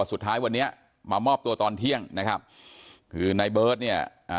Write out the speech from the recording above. สุดท้ายวันนี้มามอบตัวตอนเที่ยงนะครับคือในเบิร์ตเนี่ยอ่า